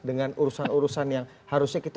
dengan urusan urusan yang harusnya kita